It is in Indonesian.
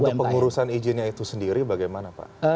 untuk pengurusan izinnya itu sendiri bagaimana pak